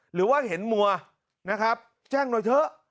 หรือว่าเห็นมัวนะครับแจ้งหน่อยเถอะ